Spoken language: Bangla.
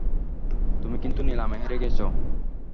তুমি কিন্তু নিলামে হেরে গেছ।